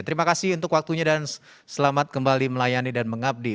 terima kasih untuk waktunya dan selamat kembali melayani dan mengabdi